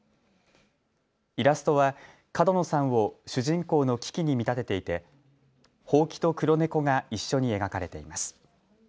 イラストは角野さんを主人公のキキに見立てていてホウキと黒猫が一緒に描かれています。